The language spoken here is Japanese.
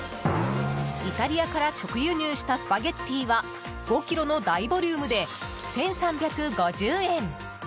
イタリアから直輸入したスパゲティは５ｋｇの大ボリュームで１３５０円。